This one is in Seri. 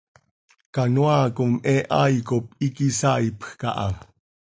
Canoaa com he hai cop iiqui saaipj caha.